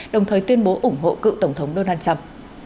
đồng thời tuyên bố ủng hộ cựu tổng thống donald trump